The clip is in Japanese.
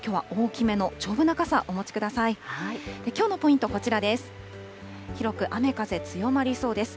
きょうのポイント、こちらです。